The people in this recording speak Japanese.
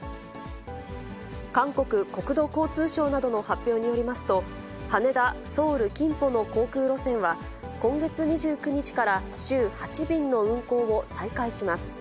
韓国国土交通省などの発表によりますと、羽田・ソウルキンポの航空路線は、今月２９日から週８便の運航を再開します。